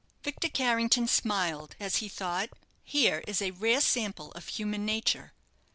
Victor Carrington smiled, as he thought, "Here is a rare sample of human nature.